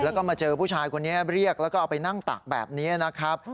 แล้วก็มาเจอผู้ชายคนนี้เรียกแล้วก็เอาไปนั่งตักแบบนี้นะครับ